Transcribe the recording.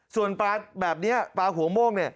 ส่วนปลาแบบนี้ปลาหัวโม่ง